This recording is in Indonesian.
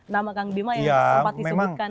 nama kang bima yang sempat disebutkan